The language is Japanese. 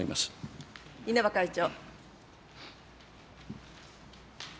稲葉会長。